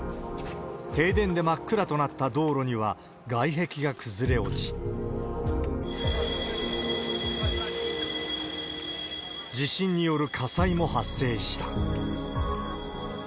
停電で真っ暗となった道路には外壁が崩れ落ち、地震による火災も発生した。